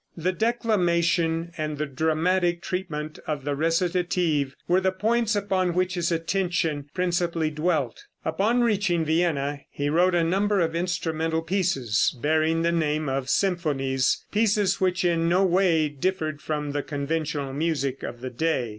The declamation and the dramatic treatment of the recitative were the points upon which his attention principally dwelt. Upon reaching Vienna he wrote a number of instrumental pieces, bearing the name of symphonies, pieces which in no way differed from the conventional music of the day.